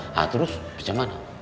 nah terus gimana